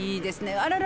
あららら